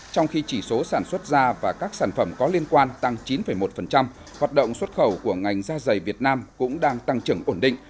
trong khi chỉ số sản xuất da và các sản phẩm có liên quan tăng chín một hoạt động xuất khẩu của ngành da dày việt nam cũng đang tăng trưởng ổn định